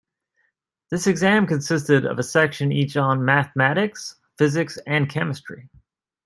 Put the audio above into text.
This exam consisted of a section each on Mathematics, Physics and Chemistry.